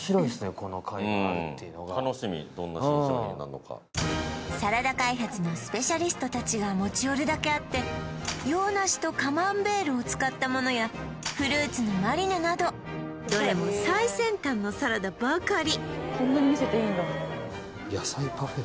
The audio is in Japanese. この会があるっていうのが楽しみどんな新商品になんのかサラダ開発のスペシャリストたちが持ち寄るだけあって洋梨とカマンベールを使ったものやフルーツのマリネなどどれも最先端のサラダばかり！